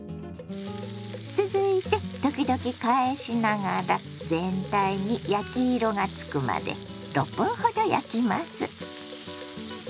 続いて時々返しながら全体に焼き色がつくまで６分ほど焼きます。